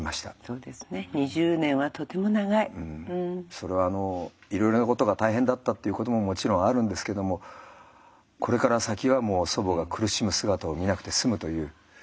それはいろいろなことが大変だったっていうことももちろんあるんですけどもこれから先はもう祖母が苦しむ姿を見なくて済むという思いですね。